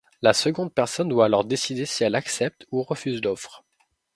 La seconde personne doit alors décider si elle accepte ou refuse l'offre.